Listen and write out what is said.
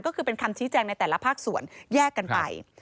ก็คือเป็นคำชี้แจงในแต่ละภาคส่วนแยกกันไป